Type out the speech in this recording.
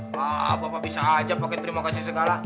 wah bapak bisa aja pakai terima kasih segala